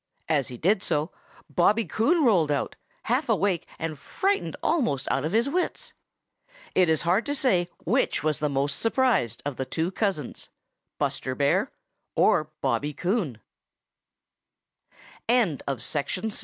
As he did so, Bobby Coon rolled out, half awake and frightened almost out of his wits. It was hard to say which was the most surprised of those two cousins, Buster Bear or Bobby